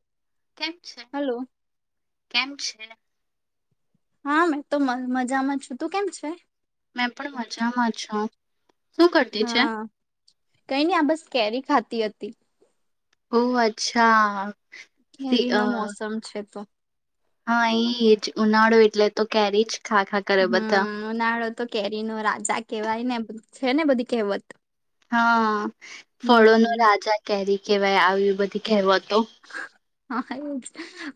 [inaudible] કેમ છે હલો કેમ છે એલા હા મેં તો મજામાં છું તું કેમ છે મેં પણ મજામાં છો હા કઈ નહી આ બસ કેરી ખાતી હતી ઓહ અચ્છા સી ઘેરી અ નો મોસમ છે તો હા એ જ ઉનાળો એટલે તો કેરી જ ખા ખા કરે બધા હમ ઉનાળો તો કેરી ન રાજા કવાય ને છે ને બધી કહેવત હા ફળો ન હમ રાજા કેરી કેવાય આવ બધી કહેવતો હા એ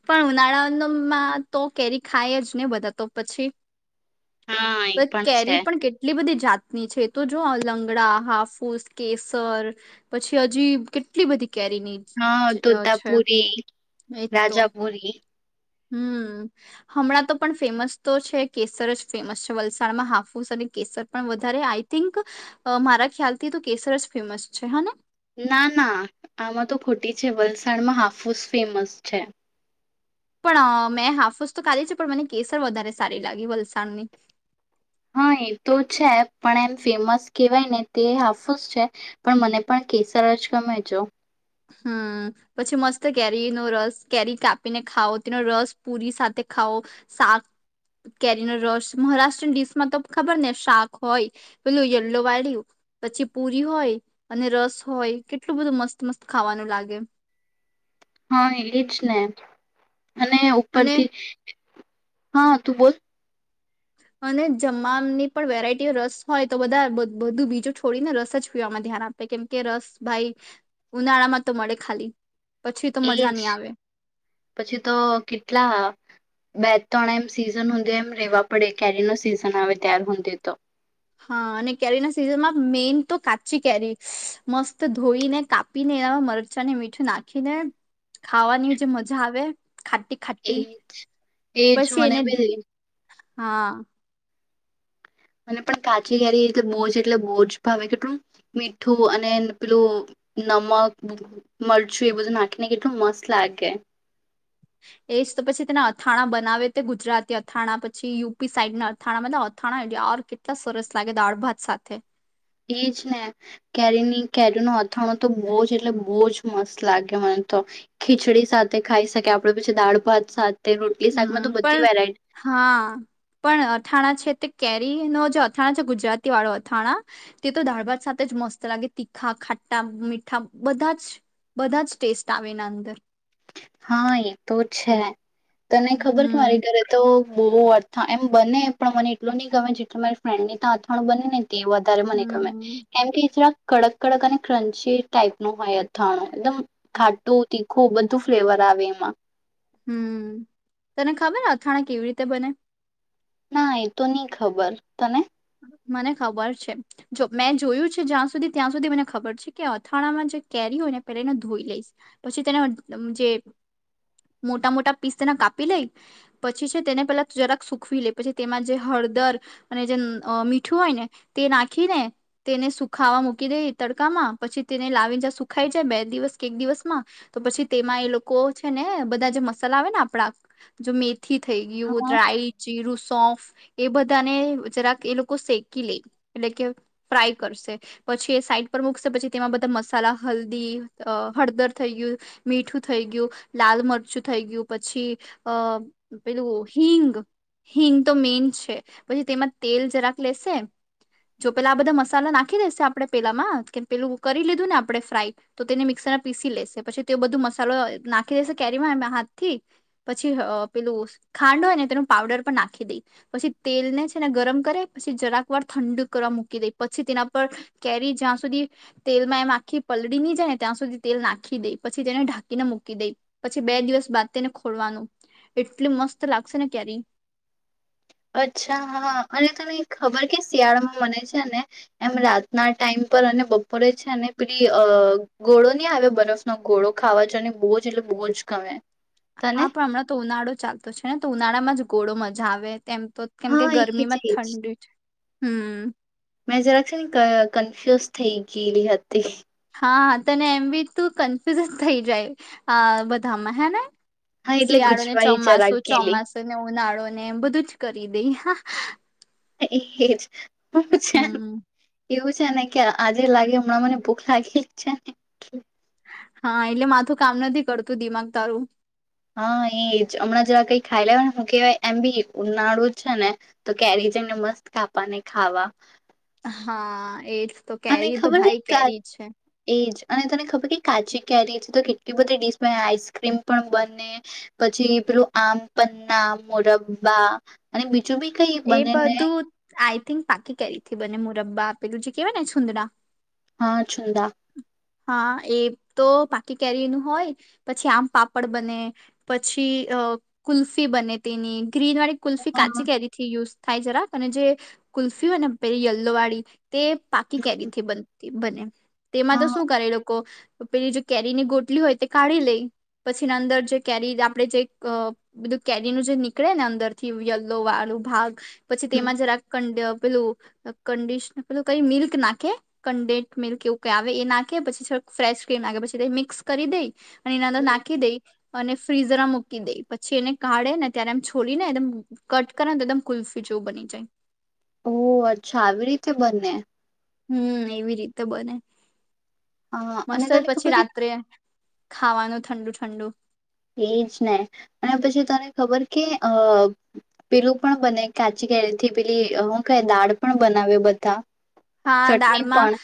પણ ઉનાળાનું માં તો કેરી ખાય જ ને બધા તો પછી હા એ પણ છે. કેરી પણ કેટલી બધી જાતની છે તો જો લંગડા હાફુસ કેસર પછી હજી કેટલી બધી કેરીની છે સુતાાપુરી એજ તો રાજાપુરી હમ હમણાં તો પણ ફેમસ તો છે કેસર જ ફેમસ છે વલસાડમાં હાફુસ અને કેસર પણ વધારે આઈ થિંક મારા ખ્યાલથી તો કેસર જ ફેમસ છે હે ને ના ના આમાં તો ખોટી છે વલસાડમાં હાફુસ ફેમસ છે પણ મેં હાફુસ તો કાઢી છે પણ મને કેસર વધારે સારી લાગી વલસાડની હા એ તો છે પણ એમ ફેમસ કહેવાય ને તે હાફુસ છે પણ મને પણ કેસર જ ગમે છેો હમ પછી મસ્ત કેરી નો રસ કેરી કાપીને ખાઓ તેનો રસ પુરી સાથે ખાઓ શાક કેરી નો રસ મહારાષ્ટ્રય ડીશમાં તો ખબર ને શાક હોય પેલું યલ્લો વાળ્યું પછી પુરી હોય અને રસ હોય કેટલું બધું મસ્ત મસ્ત ખાવાનું લાગે હા એજ ને અને અને ઉપરથી હા તું બોલ અને જમવાની પણ વેરાયટી ઓ રસ હોય તો બધા બધું બીજું છોડીને રસ જ પીવામાં ધ્યાન આપે કેમ કે રસ ભાઈ ઉનાળામાં તો મળે ખાલી પછી તો એજ મજા નહી આવે પછી તો કેટલા બે તો એમ સીઝન હ એમ રેવા પડે કેરી ન સીઝન આવે ત્યાર હ તો હા અને કેરી ના સિઝનમાં મેઈન તો કાચી કેરી મસ્ત ધોઈને કાપીને એનામાં મરચાંને મીઠું નાખીને ખાવાની જે મજા આવે ખાટી ખાટી એજ એજ પછી મને એને બી હા મને પણ કાચલી કરી એી બોજ એટલે બોજ ભાવે કેટલું મીઠું અને પેલું નમક મરચું એ બધું નાખીને કેટલું મસ્ત લાગે એજ તો પછી તેના અથાણા બનાવે તે ગુજરાતી અથાણા પછી યુપી સાઈડના અથાણામાં અથાણા કેટલા સરસ લાગે દાળ ભાત સાથે એજ ને કેરીની કેરી ન અથાણું તો બહુ જ એટલે બહુ જ મસ્ત લાગે મને તો ખીચડી સાથે ખાઈ શકે આપડ પછી દાળ ભાત સાથે રોટલી શાકમાં હમ તો બધી પણ વેરાયટી હા પણ અથાણા છે તે કેરી નો જે અથાણા છે ગુજરાતી વાળો અથાણા, તે તો દાળ ભાત સાથે જ મસ્ત લાગે, તીખા, ખાટા, મીઠા બધા જ બધા જ ટેસ્ટ આવે એના અંદર. હા એ તો છે. તને ખબર છે હમ મારી ઘરે તો બહુ અર્થા એમ બને પણ મને એટલું ની ગમે જેટલુ મારી ફ્રેન્ડ ને તા અથવાણું બનેને તે વધારે મને ગમે, હમ કેમ કે જરાક કડક કડક અને ક્રંચી ટાઈપ નું હોય અથાણું એકદમ ખાટું, તી ખુ બધું ફ્લેવર આવે એમાં. હમ્મ, તને ખબર અથાણા કેવી રીતે બને? ના, એ તો ની ખબર, તને? મને ખબર છે, જો મેં જોયું છે જ્યાં સુધી ત્યાં સુધી મને ખબર છે કે અથાણામાં જે કેરી હોય એને પેલા એને ધોઈ લઈશ, પછી તેને અમ જે મોટા મોટા પીસ તેને કાપી લઈ, પછી છે તેને પેલા જરાક સુખવી લે, પછી તેમાં જે હળદર અને જે અ મીઠું હોય ને તે નાખી ને તેને સુખાવા મૂકી દે તડકામાં, પછી તેને લાવી જે સુખાઈ જાય બે દિવસ કે એક દિવસમાં, તો પછી તેમાં એ લોકો છે ને બધા જે મસાલા આવે ને આપણા જો મે થી થઈ ગ્યું, હા ડ્રાય ચીરુ સોફ, એ બધાને અ જરાક એ લોકો શેકી લે એટલે કે ફ્રાય કરશે, પછી એ સાઈડ પર મૂકશે પછી તેમાં બધા મસાલા હલ્દી હળદર થઈ ગ્યું, મીઠું થઈ ગ્યું, લાલ મરચું થઈ ગ્યું, પછી અ પેલું હિંગ, હિંગ તો મેઈન છે, પછી તેમાં તેલ જરાક લેશે, જો પેલા આ બધા મસાલા નાખી દેશે આપણે પેલામાં કે પેલું કરી લીધું ને આપણે ફ્રાય તો તેને મિક્સરમાં પીસી લેશે પછી તેઓ બધું મસાલો નાખી દેશે કેરીમાં એ હાથ થી, પછી પેલું ખાંડ હોય ને તેનું પાવડર પણ નાખી દેઈ પછી તેલ ને છે તેને ગરમ કરે, પછી જરાક વાર ઠંડુ કરવા મૂકી દે પછી તેના પર કેરી જ્યાં સુધી તેલમાં એમ આખી પલળી ની જાય ને ત્યાં સુધી તેલ નાખી દે, પછી તેને ઢાંકીને મૂકી દઈ, પછી બે દિવસ બાદ તેને ખોલવાનું એટલ મસ્ત લાગશે ને કેરી. અચ્છા હા અને તને ખબર કે શિયાળામાં મને છે ને એમ રાતના ટાઈમ પર અને બપોરે છે ને પેલી અ ગોડો ની આવે બરફનો ગોડો ખાવા જોને બોજ એટલે બોજ ગમે. તને હા પણ હમણાં તો ઉનાળો ચાલતો છે ને તો ઉનાળામાં જ કોડો મજા આવે, તેમ તો કેમ કે હા એ ગરમીમાં જ એ ઠંડી છે. હમ્મ. મેં જરાક છે ને ક અ કન્ફ્યુઝ થઈ ગેલી હતી. હા તને એમ બી તું કન્ફ્યુઝ જ થઇ જાય આ બધામાં હે ને? હા એટલે શિયાળો ને ગુજવાઈ જરાક ચોમાસું, ગયેલી ચોમાસું ને ઉનાળો ને એમ બધું જ કરી દેઈ. એહેજ પળ છે ન હમ એવું છે ને કે આજે લાગે હમણાં મને ભૂખ લાગી જ છે ને એટલે હા એટલે માથું કામ નથી કરતું દિમાગ તારું. હા એ જ હમણાં જરા કઈ ખાઈ લેયને હું કહેવાય એમ બી ઉનાળું છે ને તો કેરીજને મસ્ત કાપા ને ખાવા. હા, એ જ તો, અને કેરી તો ખબર કે ભાઈ કા કેરી છે. એજ અને તને ખબર કે કાચી કેરી તો કેટલી બધી ડીશ બને, આઈસક્રીમ પણ બને, પછી પેલું આમ પન્ના, મોરબ્બા અને બી બીજું કઈ એ બને ને બધું, આઈ થિંક પાક્કી કેરીથી બને મું રબ્બા પેલું જે કેવાય ને છુંદડા હા છુંદા હા એ તો પાકી કેરી નું હોય, પછી આમ પાપડ બને, પછી અ કુલ્ફી બને તેની ગ્રીન વાલી કુલ્ફી હા કાચી કેરી યુઝ થાય જરાક અને જે કુલ્ફી હોય ને પેલી યલ્લો વાળી? તે પાકી ક બન બને તેમાં તો હા શું કરે લોકો પેલી જે કેરીની ગોટલી હોય તે કાઢી લે પછી ના અંદર જે કેરી આપડણે જે બધું કેરીનું જે નીકળે ને અંદર થી યલો વાળું ભાગ પછી હમ, તેમાં જરાક કંડપ પેલું કંડિશન પેલું કઈ મિલ્ક નાખે કન્ડે મિલ્ક એવું કઈ આવે એ નાખે પછીો ફ્રેશ ક્રીમ નાખે પછી મિક્સ કરી દઈ અને એનાંદ હમ. નાખી દઈ અને ફ્રીઝરમાં મૂકી દે પછી એને કાઢે ને ત્યારે એમ છોડીને એકદમ કટ કરે ને તો એકમ કુલ્ફી જો બની જાય ઓહ અચ્છા આવી રીતે બને હમ એવી રીતે બને હા અને મસ્ત જ તને પછી ખબર રાત્રે ખાવાનું ઠંડુ ઠંડુ એજ ને અને પછી તને ખબર કે અ પેલું પણ બને કાચી કેરીથી પેલી હું ક દાળ પણ બનાવે્યો બધા હા ચટણી દાળમાં પણ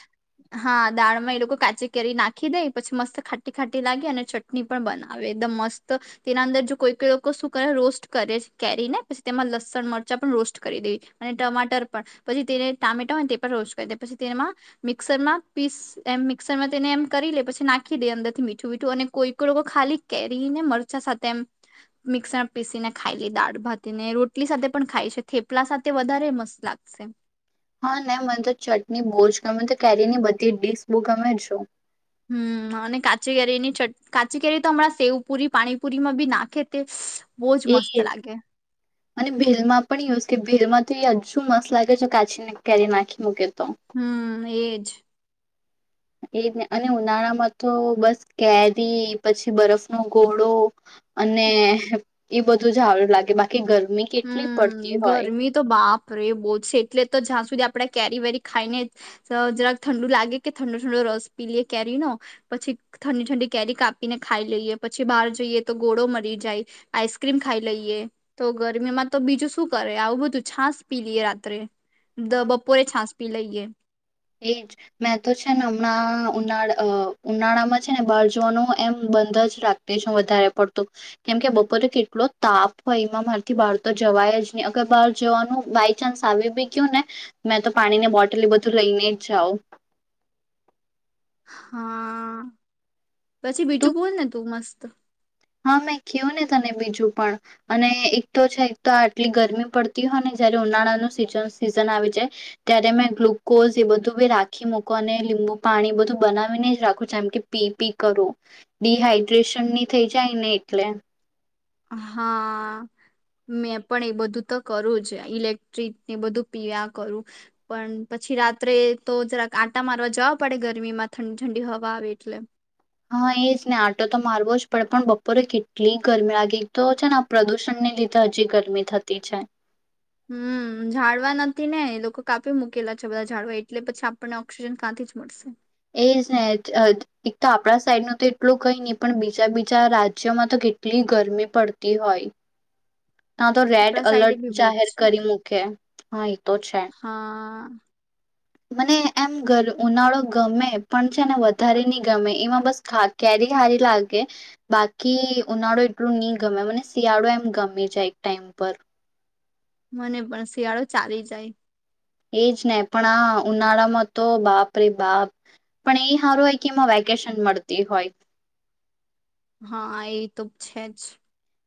હા દાળમાં એ લોકો કાચી કેરી નાખ નાખી દઈ પછી મસ્ત ખાટી ખાટી લાગી અને ચટ પણ બનાવે એકદમ મસ્ત તેના અંદર જો કોઈકઈ શું કરે રોસ્ટ કરે કેરી ને પછી તેમાં લસણ મરચા પણ રોસ્ટ કરી દેવી અને ટમાટર પણ પછી તેને ટામેટા હોયને રોષ કરી દે પછી તેમાં મિક્સરમાં પીસ એમ મિક્સરમાં તેને એમ કરી લે પછી નાખી દે અંદર થી મીઠું મીઠું અને કોઈ કો લોકો ખાલી કેરીને મરચા સાથે એમ મિક્સરમાં પીસીને ખાઈ લે દાળ ભાતી ને રોટલી સાથે પણ ખાય છે થેપલા સાથે વધારે મસ્ત લાગશે હા ને મને તો ચટણી બોજ ગમે તો કેરીની બધી ડીશ બ ગમે જો હમ અને કાચી કેરીની કાચી કેરી તો હમણાં સેવ પુરી પાણીપુરી માં બી ના ખેતે એ અને ભેલમાં પણ એ કે ભેલમાં તો હજુ મસ્ત લાગે છે કાચી ને કેરી નાખી મૂકે તો હમ એજ એ જ અને ઉનાળામાં તો બસ કેરી પછી બરફ ન ઘોડો અને એ બધું જારું લાગે બાકી ગરમી કેટલી પડતી હમ હોય ગરમી તો બાપરે એ બહુ છે એટલે તો જ્યાં સુધી આપડા કેરી વેરી ખાઈને જરાક ઠંડુ લાગે કે ઠંડો ઠંડો રસ પી લઈએ કેરીનોો પછી ઠંડી ઠંડી કેરી કાપીને ખાઈ લઈએ પછી બહાર જઈએ તો ગોળો મરી જાય આઈસ્ક્રીમ ખાઈ લઈએ તો ગરમી માં તો બીજું શું કરે આવું બધું છાાસ પી લઈએ રાત્રે દ હા બપોરે છાંસપી લઈએ એજ મેં તો છે ને હમણાં ઉનાળા ઉનાળામાં છે ને બહાર જવાનું એમ બંધ જ રાાગતી છે વધારે પડતું કેમ કે બપોરે કેટલો તાપ હોય એમાં મારથી બહાર તો જવાય જ નહી અગર બહાર જવાનું બાય ચાન્સ આવી બી ગયું ને મેં તો પાણીની બોટલ બધું લઈને જાઓ હા પછી તું બીજું બોલ ને તું મસ્ત ત્ર હા મેં કું ને તને બીજું પણ અને એક તો છે એક તો આટલી ગરમી પડતી હોય ને જયારે ઉનાળાનું સીઝન સીઝન આવી જાય ત્યારે મેં ગ્લુકોઝ એ બધું બી રાખી મૂકો અને લીંબુ પાણી બધું બનાવીને જ રાખું જેમ કે પી પી કરું ડિહાઈડ્રેશન ની થઈ જાયને એટલે હા મેં પણ એ બધું તો કરું જ ઇલેક્ટ્રિકને બધું પી્યા કરું પણ પછી રાત્રે તો જરાક આંટા મારવા જવા પડે ગરમી માં ઠંડી ઠંડી હવા આવે એટલે હા એજ ને આંટો તો મારવો જ પડે પણ બપોરે કેટલી ગરમી લાગી તો છે ને પ્રદુષણ ને લીધે હજી ગરમી થતી છે હમ ઝાડવા નથી ને લોકો કાપી મૂકેલા છે બધા ઝાડવા એટલે પછી આપણને ઓક્સિજન કાંથી જ મળશે એજ ને એક તો આપણા સાઈડ ન તો એટલું કઈ નહી પણ બીજા બીજા રાજ્યોમાં તો કેટલી ગરમી પડતી હોય તા તો રેડ આપણા સાઈડે અલર્ટ બી બહુ જ જાહેર છે કરી મ હા તો છે હા. મને એમ ઉનાળો ગમે પણ છે ને વધારે નહી ગમે એમાં બસ ક્યારે સારી લાગે, બાકી ઉનાળો એટલું નહી ગમે મને શિયાળો એમ ગમે જાય એક ટાઈમ પર. મને પણ શિયાળો ચાલી જાય. એજ ને પણ આ ઉનાળામાં તો બાપ ર બાપ, પણ એ સારું હોય કે એમાં વેકેશન મળતી હોય. હા એ તો છે જ.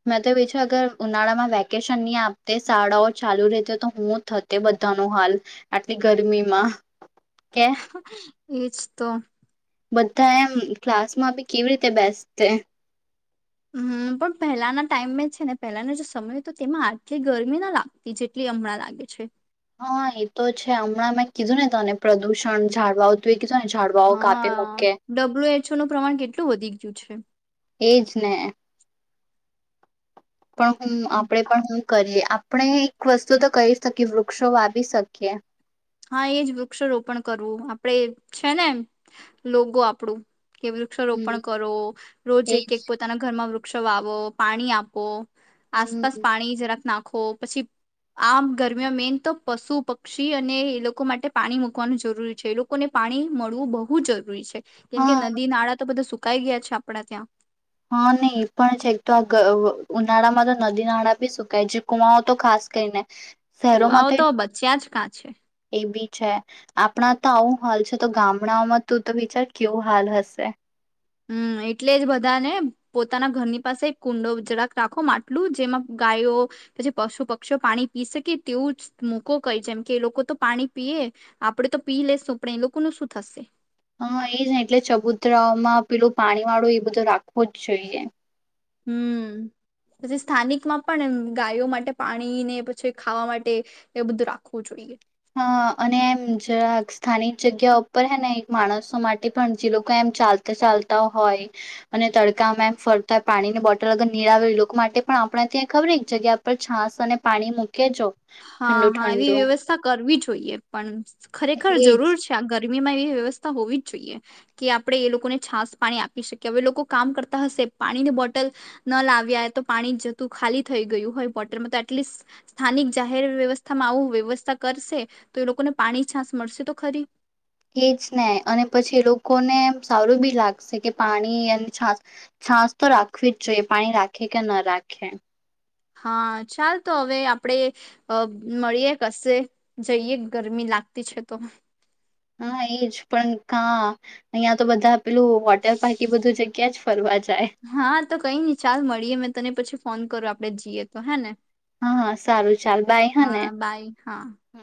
મેં તો બી છે અગર ઉનાળામાં વેકેશન ની આપતી શાળાઓ ચાલુ રહેતી હો તો હું થતી બધા ન હાલ, આટલી ગરમીમાં. કે [unintelligible] એજ તો. બધા એમ ક્લાસમાં બી કેવી રીતે બેસ તે? હમ પણ પહેલાના ટાઈમમાં છે ને પહેલાનો જે સમય હતો તેમાં આટલી ગરમી ના લાગતી જેટલી હમણાં લાગે છે. હા એ તો છે હમણાં મેં કીધું ને તને પ્રદુષણ જાળવા આવતું હા ડબલ્યુ એચ ઓ નું પ્રમાણ કેટલું વધી ગયું છે. એજ ને પણ હું આપડે હમ. પણ શું કરીએ. આપણે એક વસ્તુ તો કહી શકીએ વૃક્ષો વાવી શકીએ. હા એજ વૃક્ષ રોપણ કરવું આપડે છે ને, લોગો આપણું કે વૃક્ષારોપણ હમ કરો, રોજ એક એજ એક પોતાના ઘરમાં વૃ વૃક્ષ વાવો પાણી આપો. આસપાસ હમ પાણી જરાક નાખ આખો, પછી આમ ગરમીમાં મેન તો પશુ પક્ષી અને એ લોકો માટે પાણી મૂકવાનું જરૂરી છે લોકોને પાણી મળવું બહુ જરૂરી છે. કેમ કે હા નદી નાળા તો બધા સુ કઈ ગયા છે આપણા ત્યાં. હા નહી એ પણ છે તો આ ઉનાળામાં તો નદી નાળં બી સુકાય જે કુવાઓ તો ખાસ કરીને. કુવાઓ તો બચ્યા જ કાં છે. એ બી છે, આપણા તો આવું હાલ છે તો ગામડાઓમાં તું તો વિચાર કેવું હાલ હશે. હમ એટલે જ બધાને પોતાના ઘરની પાસે કુંડો જળક રાખો આટલું જેમાં ગાયો, પછી પશુ પક્ષીઓ પાણી પી શકે તેવું જ મુકો કઈ જેમ કે એ લોકો તો પાણી પીએ, આપડે તો પી લેેશું પણ એ લોકોનું શું થશે? હા એ જ એટલે ચબુતરામાં પેલું પાણી વાળું એ બધો રાખવો જ જોઈએ. હમ, પછી સ્થાનિકમાં પણ ગાયો માટે પાણી ને પછી ખાવા માટે એ બધું રાખવું જોઈએ. હ અને એમ જ સ્થાનિક જગ્યા ઉપર હે ને એક માણસો માટે પણ જે લોકો એમ ચાલતા ચાલતા હોય, અને તડકામાં એમ ફરતા હોય પાણીની બોટલ અગર નીળ આવે એ લોકો માટે પણ આપણા ત્યાં ખબર જગ્યા પર છાસ અને પાણી મૂકી જો હા ઠંડુ હા એવી ઠંડુ વ્યવસ્થા કરવી જો જોઈએ પન ખરેખર જરૂર એજ છે આગળ ગરમીમાં એવી વ્યવસ્થા હોવી જ જોઈએ, કે આપણેે એ લોકોને છાસ પાણી આપી શકીએ હવે લોકો કામ કરતા હશે પાણીની બોટલ, ન લાવ્યા તો પાણી જતું ખાલી થઈ ગયું હોય બોટલમાં તો એટલીસ્ટ સ્થાનિક જાહેર વ્યવસ્થામાં આવું વ્યવસ્થા કરશે, તો એ લોકોને પાણી છાસ મળશે તો ખરી. એજ ને અને પછી એ લોકોને સારું બી લાગશે કે પાણી અને છાસ, છાસ તો રાખવી જ જોઈએ પાણી રાખે કે ન રાખે. હા ચાલ તો હવે આપણેે, અ મળીએ કશે જઈએ ગરમી લાગતી છે તો. હા એજ પણ કા, અહિયાં તો બધા પેલું વોટર પારક એ બધું જ ક્યાં જ ફરવા જ હારુ તો કઈ નઈ ચાલ મળીએે મેં તને પછી ફોન કરો આપડે જીએ તો હે ને હા હા સારું ચાલ બાઈ હાને હા બાય હા હ